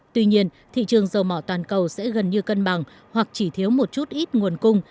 tuy nhiên thị trường dầu mỏ toàn cầu sẽ gần như cân bằng hoặc chỉ thiếu một chút ít nguồn cung